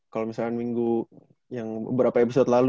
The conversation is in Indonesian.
kalau misalkan minggu yang beberapa episode lalu